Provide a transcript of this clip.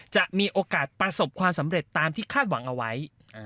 จะมีโอกาสประสบความสำเร็จตามที่คาดหวังเอาไว้